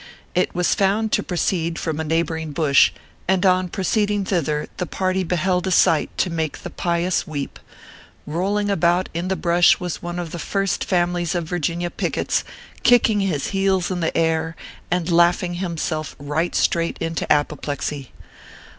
It was found to proceed from a neighboring bush, and on proceeding thither the party beheld a sight to make the pious weep. Kolling about in the brush was one of the First Families of Virginia pickets, kicking his heels in the air, and laughing himself right straight into apoplexy.